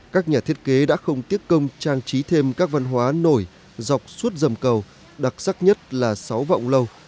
các nhà thiết kế đã không tiếc công trang trí thêm các văn hóa nổi dọc suốt dầm cầu đặc sắc nhất là sáu vọng lâu